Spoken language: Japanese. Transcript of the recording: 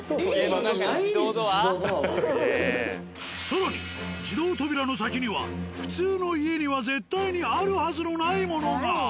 更に自動扉の先には普通の家には絶対にあるはずのないものが。